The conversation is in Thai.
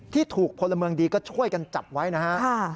ที่ถูกพลเมืองดีก็ช่วยกันจับไว้นะฮะ